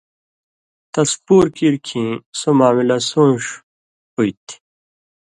تس پُور کیر کھیں سو معاملہ سُون٘ݜ ہُوئ تھی